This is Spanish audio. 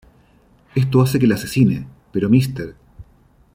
Esto hace que la asesine, pero Mr.